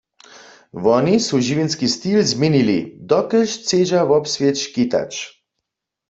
Woni su žiwjenski stil změnili, dokelž chcedźa wobswět škitać.